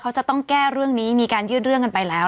เขาจะต้องแก้เรื่องนี้มีการยื่นเรื่องกันไปแล้ว